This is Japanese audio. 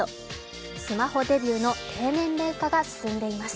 スマホデビューの低年齢化が進んでいます。